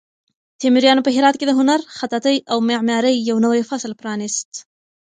تیموریانو په هرات کې د هنر، خطاطۍ او معمارۍ یو نوی فصل پرانیست.